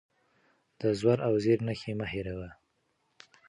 د زور او زېر نښې مه هېروه.